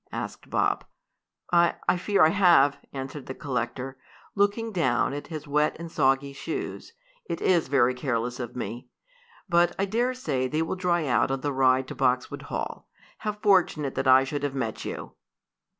asked Bob. "I I fear I have," answered the collector, looking down at his wet and soggy shoes. "It is very careless of me. But I dare say they will dry out on the ride to Boxwood Hall. How fortunate that I should have met you!"